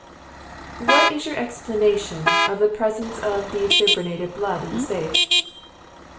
"What is your explanation of the presence of defibrinated blood in the safe?"